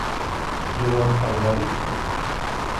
You want a Bugatti?